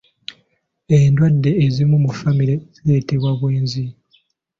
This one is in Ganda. Endwadde ezimu mu famire zireetebwa bwenzi.